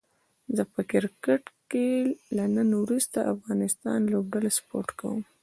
زه په کرکټ کې له نن وروسته د افغانستان لوبډله سپوټ کووم